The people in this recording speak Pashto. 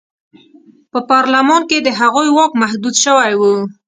په پارلمان کې د هغوی واک محدود شوی و.